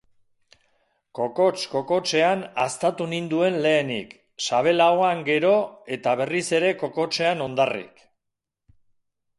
Kokots-kokotsean haztatu ninduen lehenik, sabel-ahoan gero eta berriz ere kokotsean hondarrik.